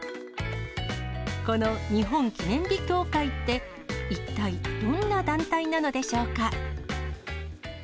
この日本記念日協会って、一体どんな団体なのでしょうか。